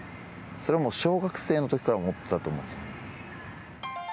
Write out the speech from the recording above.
それはもう、小学生の時から思ってたと思うんです。